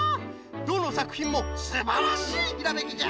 どのさくひんもすばらしいひらめきじゃ。